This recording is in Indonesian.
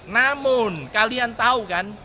namun kalian tahu kan